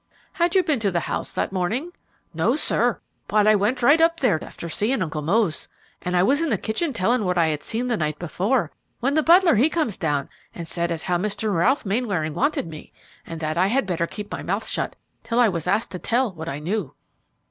"Had you been to the house that morning?" "No, sir; but I went right up there after seeing Uncle Mose, and I was in the kitchen telling what I had seen the night before, when the butler he comes down and said as how Mr. Ralph Mainwaring wanted me, and that I had better keep my mouth shut till I was asked to tell what I knew."